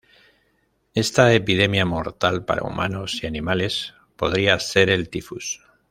Esta epidemia, mortal para humanos y animales, podría ser el tifus.